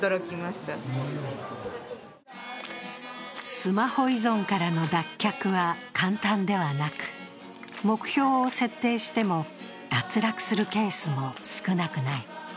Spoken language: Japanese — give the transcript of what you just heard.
スマホ依存からの脱却は簡単ではなく目標を設定しても、脱落するケースも少なくない。